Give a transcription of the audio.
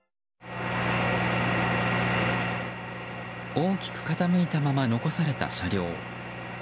大きく傾いたまま残された車両。